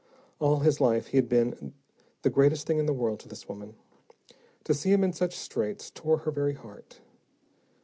All his life he had been the greatest thing in the world to this woman. To see him in such straits tore her very heart.